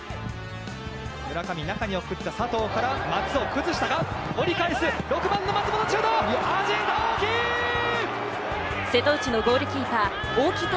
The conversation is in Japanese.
村上、中に送った佐藤から松尾、崩したが折り返す、６番・松本、シュート！